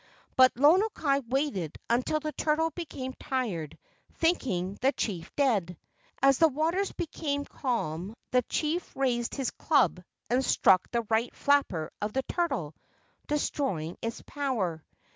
But Lono kai waited until the turtle became tired, thinking the chief dead. As the waters became calm the chief raised his club and struck the right flapper of the turtle, destroying its power.